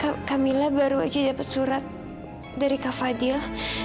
bu kamilah baru saja dapat surat dari kak fadil